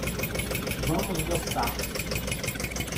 Vamos gostar.